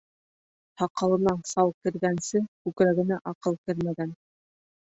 Һаҡалына сал кергәнсе, күкрәгенә аҡыл кермәгән.